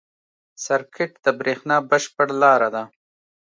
سرکټ د برېښنا بشپړ لاره ده.